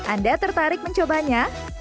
anda tertarik mencobanya